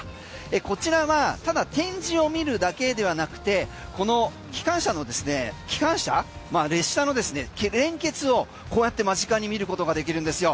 こちらはただ展示を見るだけではなくてこの機関車の列車の連結をこうやって間近に見ることができるんですよ。